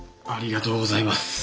ありがとうございます。